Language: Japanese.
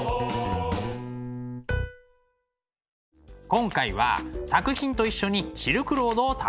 今回は作品と一緒にシルクロードをたどってみました。